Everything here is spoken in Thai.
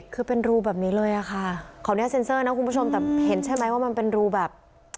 คือเป็นรูแบบนี้เลยอะค่ะของนี้น้องคุณผู้ชมแต่เห็นใช่ไหมว่ามันเป็นรูแบบ